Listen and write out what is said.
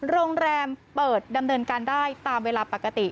โรงแรมเปิดดำเนินการได้ตามเวลาปกติ